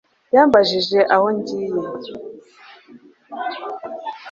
yambajije aho ngiye